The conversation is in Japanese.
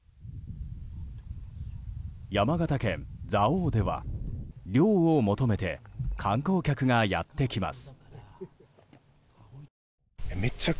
山形県蔵王では、涼を求めて観光客がやってきます。